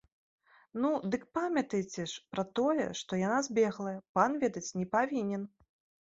Ну, дык памятайце ж, пра тое, што яна збеглая, пан ведаць не павінен!